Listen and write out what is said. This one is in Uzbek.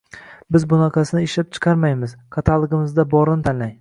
«Biz bunaqasini ishlab chiqarmaymiz, katalogimizda borini tanlang»